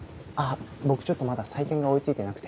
僕ちょっとまだ採点が追い付いてなくて。